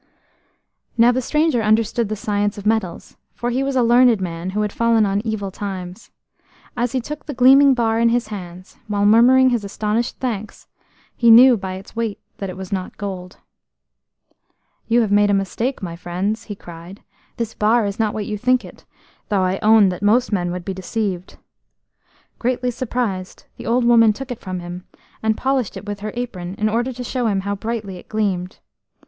Now the stranger understood the science of metals, for he was a learned man who had fallen on evil times. As he took the gleaming bar in his hands, while murmuring his astonished thanks, he knew by its weight that it was not gold. "You have made a mistake, my friends," he cried. "This bar is not what you think it, though I own that most men would be deceived." Greatly surprised, the old woman took it from him, and polished it with her apron in order to show him how brightly it gleamed.